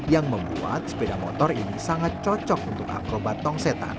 yang membuat sepeda motor ini sangat cocok untuk akrobat tong setan